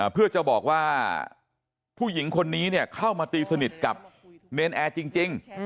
เพื่อจะบอกว่าผู้หญิงคนนี้เข้ามาตีสนิทกับเนรนแอร์จริง